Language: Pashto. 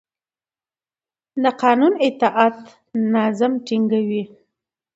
د قانون اطاعت نظم ټینګوي